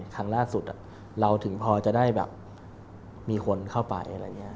ครั้งล่าสุดเราถึงพอจะได้มีคนเข้าไป